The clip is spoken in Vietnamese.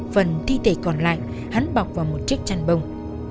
phần thi thể còn lại hắn bọc vào một chiếc chăn bông